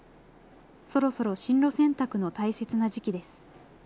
そろそろ進路選択の大切な時期です。